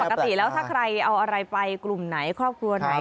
ปกติแล้วถ้าใครเอาอะไรไปกลุ่มไหนครอบครัวไหน